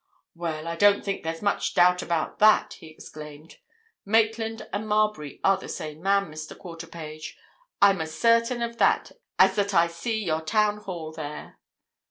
"Well, I don't think there's much doubt about that!" he exclaimed. "Maitland and Marbury are the same man, Mr. Quarterpage. I'm as certain of that as that I see your Town Hall there."